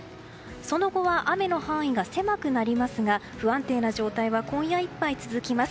その後は雨の範囲が狭くなりますが不安定な状態は今夜いっぱい続きます。